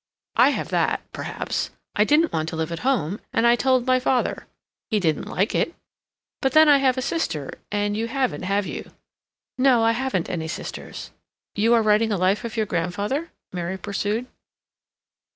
I have that, perhaps. I didn't want to live at home, and I told my father. He didn't like it.... But then I have a sister, and you haven't, have you?" "No, I haven't any sisters." "You are writing a life of your grandfather?" Mary pursued.